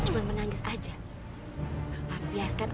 terima kasih dan lagi maaf penyayang